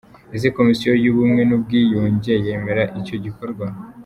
Ese Komisiyo y’Ubumwe n’ubwiyunge yemera icyo gikorwa?.